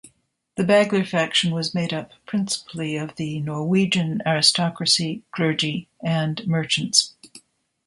The Bagler faction was made up principally of the Norwegian aristocracy, clergy and merchants.